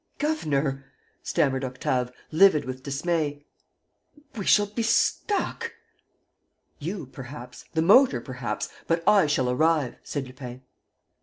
"G governor," stammered Octave, livid with dismay, "we shall be stuck!" "You, perhaps, the motor, perhaps; but I shall arrive!" said Lupin.